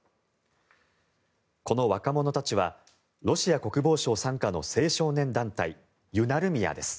この若者たちはロシア国防省傘下の青少年団体ユナルミヤです。